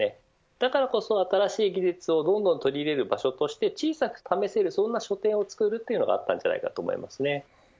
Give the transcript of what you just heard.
だからこそ、新しい技術をどんどん取り入れたり小さく試せる書店を作るというのがあったんじゃないかと思います。